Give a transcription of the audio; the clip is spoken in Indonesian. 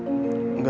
udah sampai rumah